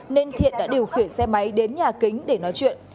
nên thiện đã điều khiển xe máy đến nhà kính để nói chuyện